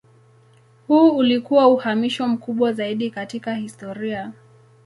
Huu ulikuwa uhamisho mkubwa zaidi katika historia.